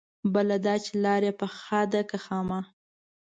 بله دا چې لاره يې پخه ده که خامه؟